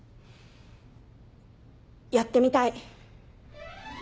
やってみたい！